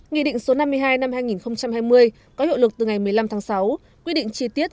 nghị định số năm mươi hai năm hai nghìn hai mươi có hiệu lực từ ngày một mươi năm tháng sáu quy định chi tiết